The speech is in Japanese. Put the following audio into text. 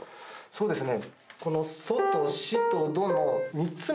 そうですね。